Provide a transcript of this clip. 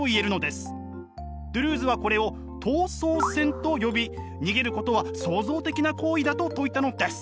ドゥルーズはこれを逃走線と呼び逃げることは創造的な行為だと説いたのです。